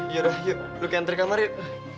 yaudah yuk lo keantre kamar yuk